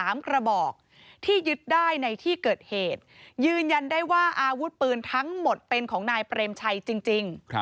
๒๓มีนาคมนี้